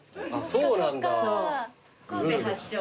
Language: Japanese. そうなんだ。